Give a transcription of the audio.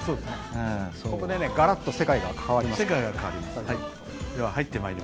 ここでがらっと世界が変わります。